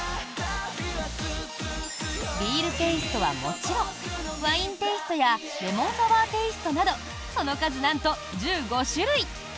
ビールテイストはもちろんワインテイストやレモンサワーテイストなどその数なんと１５種類。